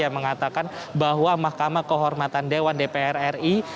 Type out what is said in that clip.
yang mengatakan bahwa mahkamah kehormatan dewan dpr ri